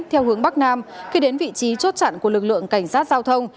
theo hướng bắc nam khi đến vị trí chốt chặn của lực lượng cảnh sát giao thông